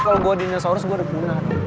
kalo gue dinosaurus gue udah bener